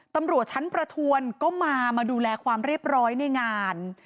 ตำรวจชั้นประทวนก็มามาดูแลความเรียบร้อยในงาน